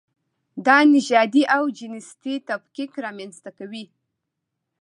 دا نژادي او جنسیتي تفکیک رامنځته کوي.